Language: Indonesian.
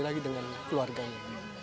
lagi dengan keluarganya